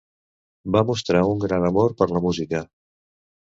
Va mostrar un gran amor per la música.